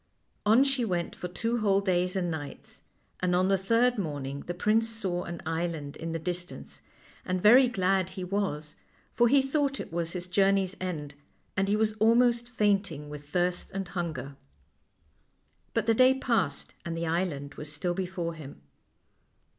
On she went for two whole days and nights, and on the third morning the prince saw an island in the distance, and very glad he was; for he thought it was his journey's end, and he was almost fainting with thirst and hunger. But the day passed and the island was still be fore him.